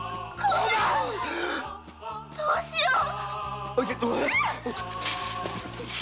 どどうしよう！？